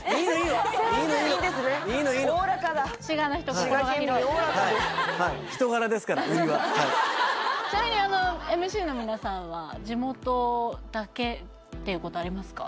はいはいはいちなみにＭＣの皆さんは地元だけっていうことありますか？